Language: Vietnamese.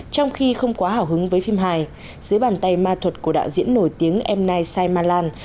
trong khi không quá hảo hứng với phim hài dưới bàn tay ma thuật của đạo diễn nổi tiếng m night shyamalan